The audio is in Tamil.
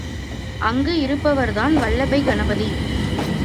அங்கு இருப்பவர்தான் வல்லபை கணபதி.